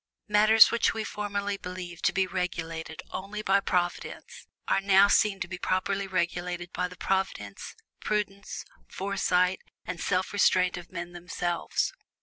Matters which we formerly believed to be regulated only by Providence, are now seen to be properly regulated by the providence, prudence, foresight, and self restraint of men themselves.